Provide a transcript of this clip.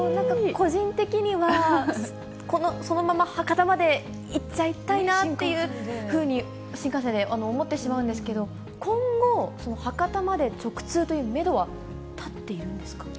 個人的には、そのまま博多まで行っちゃいたいなっていうふうに、新幹線で思ってしまうんですけど、今後、博多まで直通というメドは立っているんですか？